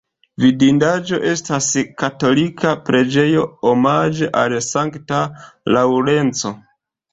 Vidindaĵo estas katolika preĝejo omaĝe al Sankta Laŭrenco.